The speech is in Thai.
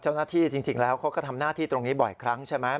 เจ้าหน้าที่จริงจริงแล้วเขาก็ทำหน้าที่ตรงนี้บ่อยครั้งใช่ไหม